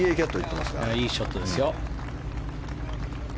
いいショットですよ。